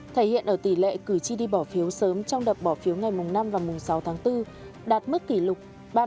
thể hiện ở tỷ lệ cử tri đi bỏ phiếu sớm trong đợt bỏ phiếu ngày năm và sáu tháng bốn đạt mức kỷ lục ba mươi một hai mươi tám